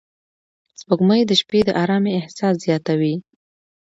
سپوږمۍ د شپې د آرامۍ احساس زیاتوي